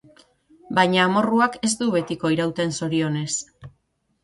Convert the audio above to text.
Baina amorruak ez du betiko irauten, zorionez.